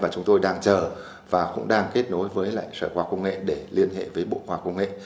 chúng tôi đang chờ và cũng đang kết nối với lại sở khoa công nghệ để liên hệ với bộ khoa công nghệ